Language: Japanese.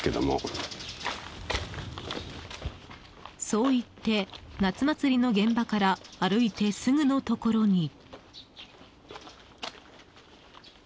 そう言って、夏祭りの現場から歩いてすぐのところに。